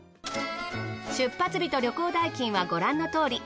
出発日と旅行代金はご覧のとおり。